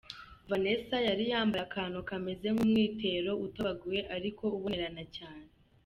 Vanessa yari yambaye akantu kameze nk’umwitero utobaguye ariko ubonerana cyane.